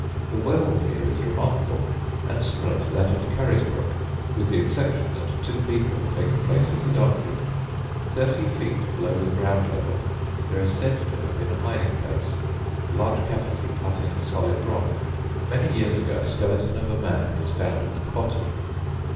The well here is remarkable, and similar to that at Carisbrooke, with the exception that two people take the place of the donkey! Thirty feet below the ground level there is said to have been a hiding place a large cavity cut in the solid rock. Many years ago a skeleton of a man was found at the bottom.